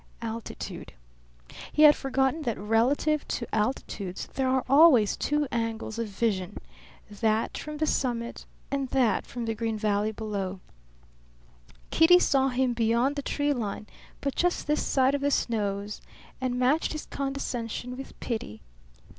Altitude. He had forgotten that relative to altitudes there are always two angles of vision that from the summit and that from the green valley below. Kitty saw him beyond the tree line, but just this side of the snows and matched his condescension with pity!